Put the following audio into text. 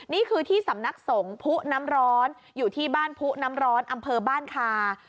นี่คือที่สำนักสงฆ์ผู้น้ำร้อนอยู่ที่บ้านผู้น้ำร้อนอำเภอบ้านคา